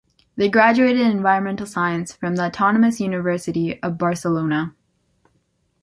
They graduated in environmental science from the Autonomous University of Barcelona.